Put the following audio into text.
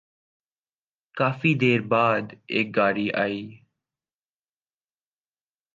کافی دیر بعد ایک گاڑی آئی ۔